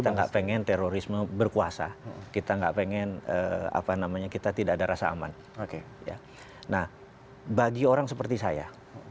kita enggak pengen terorisme berkuasa kita enggak pengen apa namanya kita tidak ada rasa aman oke ya nah bagi orang seperti saya